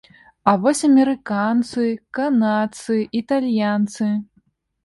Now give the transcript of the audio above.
А вось амерыканцы, канадцы, італьянцы?